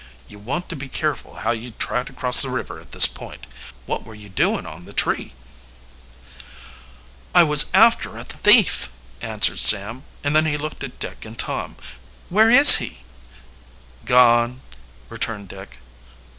"You want to be careful how you try to cross the river at this point. What were you doing on the tree?" "I was after a thief," answered Sam, and then he looked at Dick and Tom. "Where is he?" "Gone," returned Dick.